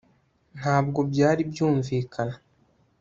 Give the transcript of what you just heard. ntabwo byari byumvikana